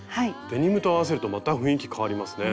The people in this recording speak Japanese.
デニムと合わせるとまた雰囲気変わりますね。